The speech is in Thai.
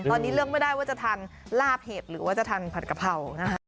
ตอนนี้เลือกไม่ได้ว่าจะทานลาบเห็ดหรือว่าจะทานผัดกะเพรานะคะ